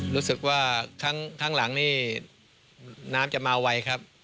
รู้สึกว่าข้างหลังนี่น้ำจะมาไวครับ